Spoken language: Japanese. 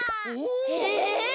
え！